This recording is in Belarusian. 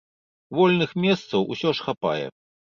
Вольных месцаў усё ж хапае.